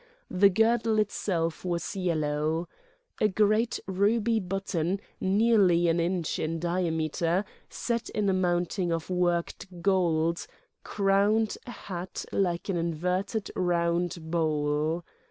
The girdle itself was yellow. A great ruby button, nearly an inch in diameter, set in a mounting of worked gold, crowned a hat like an inverted round bowl.